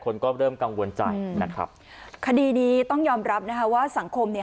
คนก็เริ่มกังวลใจนะครับคดีนี้ต้องยอมรับนะคะว่าสังคมเนี่ย